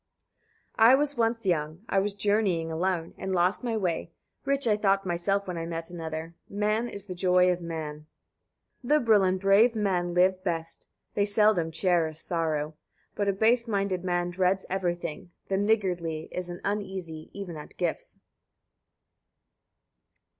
47. I was once young, I was journeying alone, and lost my way; rich I thought myself, when I met another. Man is the joy of man. 48. Liberal and brave men live best, they seldom cherish sorrow; but a base minded man dreads everything; the niggardly is uneasy even at gifts.